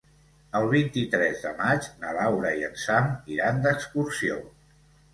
El vint-i-tres de maig na Laura i en Sam iran d'excursió.